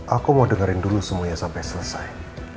aku mau dengerin dulu semuanya sampai selesai